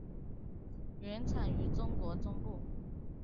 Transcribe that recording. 原产于中国中部。